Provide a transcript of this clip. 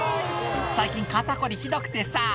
最近、肩凝りひどくてさ。